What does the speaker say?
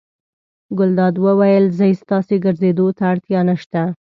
ګلداد وویل: ځئ ستاسې ګرځېدو ته اړتیا نه شته.